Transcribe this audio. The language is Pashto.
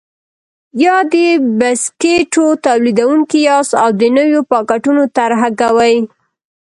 یا د بسکېټو تولیدوونکي یاست او د نویو پاکټونو طرحه کوئ.